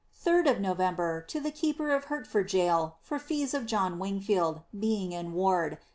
Third of November, to the keeper of Hertford Jail for fees of John Wingficld, being in ward, 13